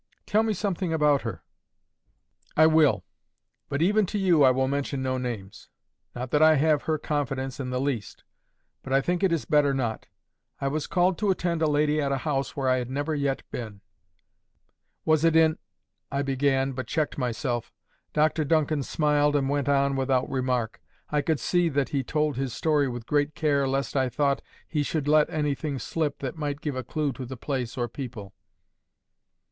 "Tell me something about her." "I will. But even to you I will mention no names. Not that I have her confidence in the least. But I think it is better not. I was called to attend a lady at a house where I had never yet been." "Was it in— ?" I began, but checked myself. Dr Duncan smiled and went on without remark. I could see that he told his story with great care, lest, I thought, he should let anything slip that might give a clue to the place or people.